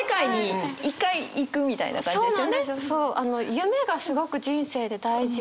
夢がすごく人生で大事で。